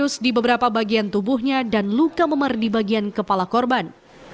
luka serius di beberapa bagian tubuhnya dan luka memer di bagian kepala korban